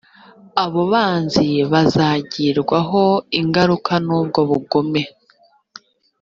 abo banzi bazagirwaho ingaruka n’ubwo bugome